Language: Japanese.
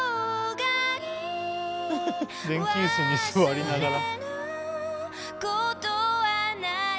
電気椅子に座りながら。